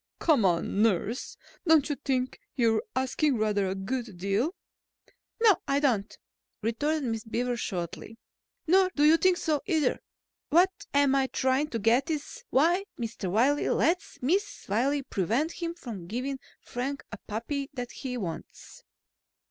"Come now, nurse, don't you think you're asking rather a good deal?" "No, I don't," retorted Miss Beaver shortly. "Nor do you think so, either. What I'm trying to get at is, why Mr. Wiley lets Mrs. Wiley prevent him from giving Frank a puppy that he wants?"